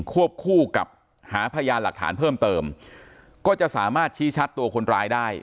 วบคู่กับหาพยานหลักฐานเพิ่มเติมก็จะสามารถชี้ชัดตัวคนร้ายได้